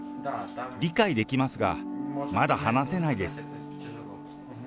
理解できますが、まだ話せないです。